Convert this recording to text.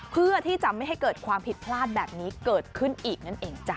เพื่อที่จะไม่ให้เกิดความผิดพลาดแบบนี้เกิดขึ้นอีกนั่นเองจ้ะ